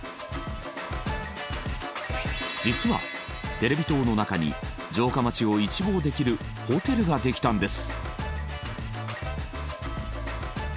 実はテレビ塔の中に城下町を一望できるホテルができたんです。